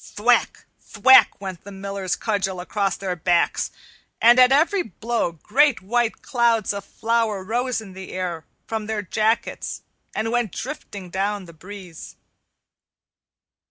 Thwack! thwack! went the Miller's cudgel across their backs, and at every blow great white clouds of flour rose in the air from their jackets and went drifting down the breeze.